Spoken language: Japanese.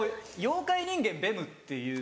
『妖怪人間ベム』っていう。